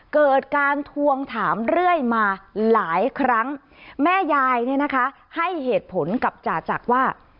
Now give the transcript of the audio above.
เกิดการทวงถามเรื่อยมาหลายครั้งแม่ยายเนี่ยนะคะให้เหตุผลกับจ่าจักรว่า